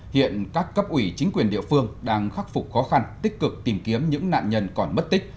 hiện các cấp ủy chính quyền địa phương đang khắc phục khó khăn tích cực tìm kiếm những nạn nhân còn mất tích